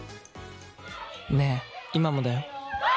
ねえ、今もだよ。